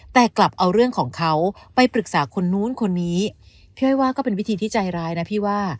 แต่กลับเอาเรื่องของเขาไปปรึกษาคนนู้นคนนี้พี่อ้อยว่าก็เป็นวิธีที่ใจร้ายนะพี่ว่า